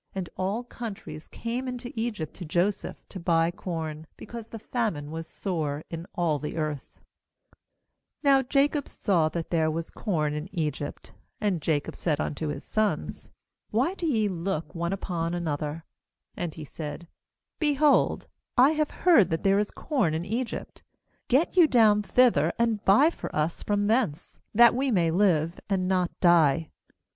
67And all countries came into Egypt to Joseph to buy corn; because the famine was sore in all the earth. Now Jacob saw that there was corn in Egypt, and Jacob said 42 unto his sons: *Why do ye look one 'Lest peradventure 5And the sons of * That is, M afonff to forget. upon another?' 2And he said: 'Be hold, I have heard that there is corn in Egypt. Get you down thither, and buy for us from thence; that we may live, and not die.'